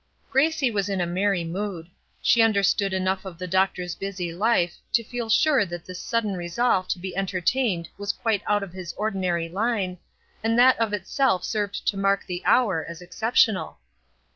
Gracie was in a merry mood. She understood enough of the doctor's busy life to feel sure that this sudden resolve to be entertained was quite out of his ordinary line, and that of itself served to mark the hour as exceptional.